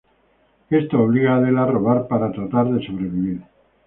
Esto obliga a Adela a robar para tratar de sobrevivir.